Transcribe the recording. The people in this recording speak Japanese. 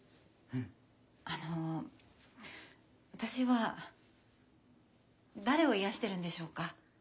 あの私は誰を癒やしてるんでしょうか。